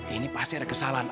ini pasti ada kesalahan